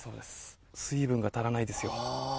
水分が足らないんですよ。